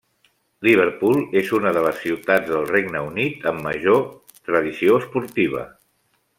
Liverpool és una de les ciutats del Regne Unit amb major tradició esportiva.